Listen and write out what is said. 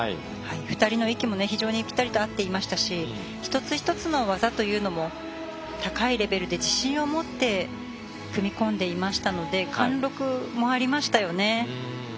２人の息も非常にぴったりと合っていましたし一つ一つの技というのも高いレベルで自信を持って組み込んでいましたので貫禄もありましたよね。